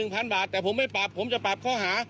แต่ผมไม่ปรับผมจะปรับข้อหา